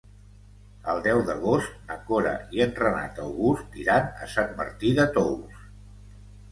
El deu d'agost na Cora i en Renat August iran a Sant Martí de Tous.